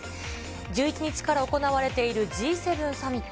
１１日から行われているＧ７サミット。